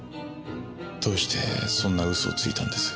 どうしてそんな嘘をついたんです？